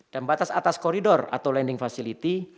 dan batas atas koridor atau landing facility